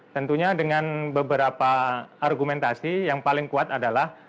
tentunya dengan beberapa argumentasi yang paling kuat adalah